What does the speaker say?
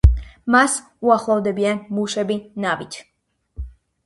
მას უახლოვდებიან მუშები ნავით.